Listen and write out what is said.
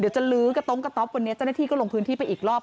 เดี๋ยวจะลือกระต๊อปวันนี้เจ้าหน้าที่ก็ลงพื้นที่ไปอีกรอบ